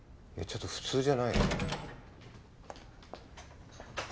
ちょっと普通じゃないね。